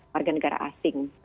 warga negara asing